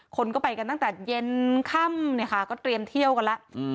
คนก็ไปกันตั้งแต่เย็นค่ำเนี่ยค่ะก็เตรียมเที่ยวกันแล้ว